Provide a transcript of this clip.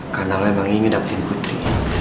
karena lo emang ingin dapetin putri